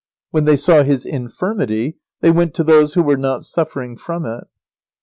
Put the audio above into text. When they saw his infirmity, they went to those who were not suffering from it.